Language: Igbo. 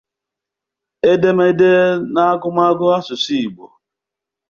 edemede na agụmagụ asụsụ Igbo